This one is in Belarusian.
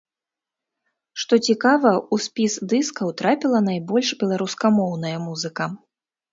Што цікава, у спіс дыскаў трапіла найбольш беларускамоўная музыка.